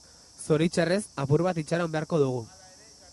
Zoritxarrez, apur bat itxaron beharko dugu.